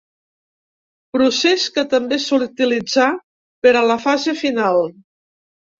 Procés que també s'utilitzà per a la fase final.